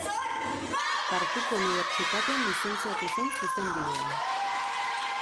Tartuko Unibertsitatean lizentziatu zen Zuzenbidean.